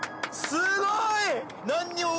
すごい！